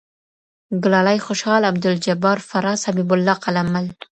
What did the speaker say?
ګلالى خوشحال عبدالجبار فراز حبيب الله قلم مل